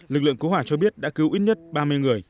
lực lượng cứu hỏa cho biết đã cứu ít nhất ba mươi người